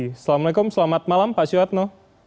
assalamualaikum selamat malam pak suyatno